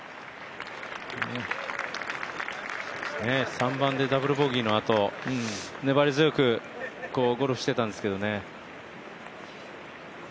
３番でダブルボギーのあと粘り強くゴルフしてたんですけどね。